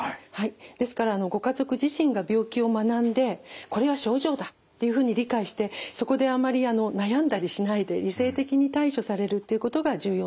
ですからご家族自身が病気を学んでこれは症状だっていうふうに理解してそこであまり悩んだりしないで理性的に対処されるっていうことが重要です。